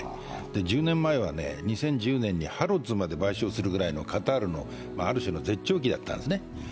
１０年前は２０１０年にハロッズまで買収するぐらいのカタールのある種の絶頂期だったんですね。